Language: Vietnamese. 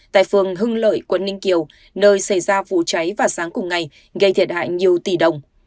tại phường hưng lợi quận ninh kiều nơi xảy ra vụ cháy vào sáng cùng ngày gây thiệt hại nhiều tỷ đồng